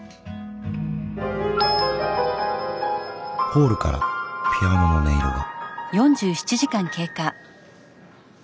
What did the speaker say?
ホールからピアノの音色が。